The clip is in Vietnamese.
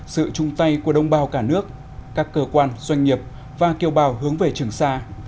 sự chung tay của đông bào cả nước các cơ quan doanh nghiệp và kêu bào hướng về trường sa